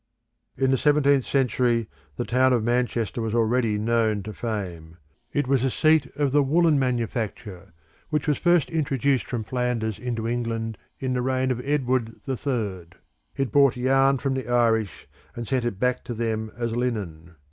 In the seventeenth century the town of Manchester was already known to fame. It was a seat of the woollen manufacture, which was first introduced from Flanders into England in the reign of Edward the Third. It bought yarn from the Irish, and sent it back to them as linen.